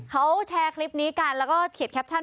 เขาแชร์คลิปนี้กันแล้วก็เขียนแคปชั่น